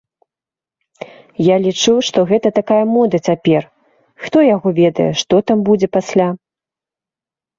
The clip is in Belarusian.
Я лічу, што гэта такая мода цяпер, хто яго ведае, што там будзе пасля.